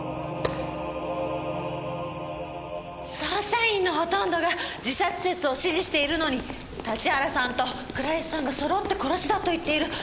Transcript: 捜査員のほとんどが自殺説を支持しているのに立原さんと倉石さんが揃って殺しだと言っている。